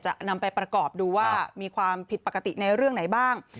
จะนำไปประกอบดูว่ามีความผิดปกติในเรื่องไหนบ้าง